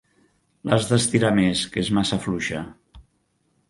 L'has d'estirar més, que és massa fluixa.